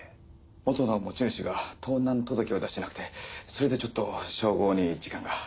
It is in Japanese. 元の持ち主が盗難届を出してなくてそれでちょっと照合に時間が。